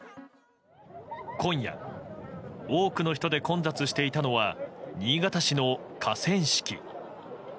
今夜、多くの人で混雑していたのは新潟市の河川敷。